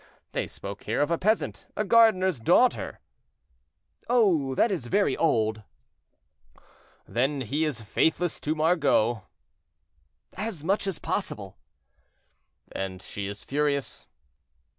They spoke here of a peasant, a gardener's daughter." "Oh! that is very old." "Then he is faithless to Margot?" "As much as possible." "And she is furious?"